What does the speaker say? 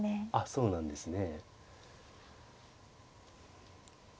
そうなんですね。